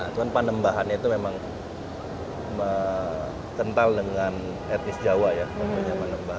cuma panembahan itu memang kental dengan etnis jawa ya